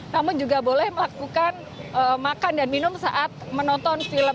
namun juga boleh melakukan makan dan minum saat menonton film